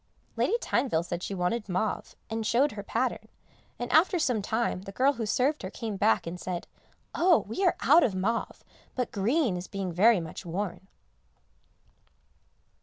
Lady Tyneville said she wanted mauve, and showed her pattern, and after some time the girl who served her came back and said, "Oh! we are out of mauve, but green is being very much worn."